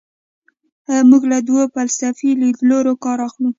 موږ له دوو فلسفي لیدلورو کار اخلو.